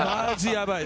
やばい！